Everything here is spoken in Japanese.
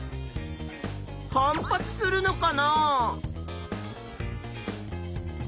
反発するのかなあ？